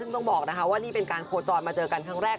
ซึ่งต้องบอกนะคะว่านี่เป็นการโคจรมาเจอกันครั้งแรก